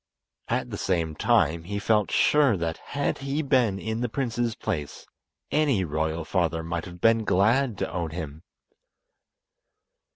At the same time, he felt sure that had he been in the prince's place any royal father might have been glad to own him.